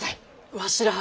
わしらぁ